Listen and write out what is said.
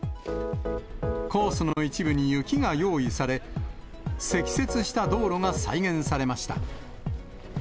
コースの一部に雪が用意され、積雪した道路が再現されました。